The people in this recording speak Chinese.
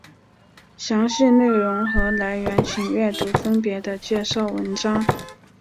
详细内容和来源请阅读分别的介绍文章。